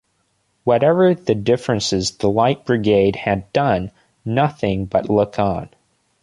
Whatever the differences the Light Brigade had done nothing but look on.